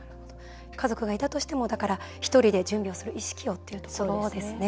家族がいたとしてもだから、ひとりで準備をする意識をというところですね。